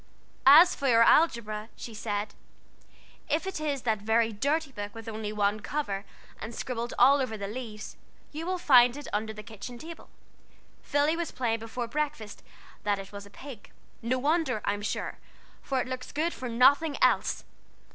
"As for your algebra," she said, "if it is that very dirty book with only one cover, and scribbled all over the leaves, you will find it under the kitchen table. Philly was playing before breakfast that it was a pig: no wonder, I'm sure, for it looks good for nothing else.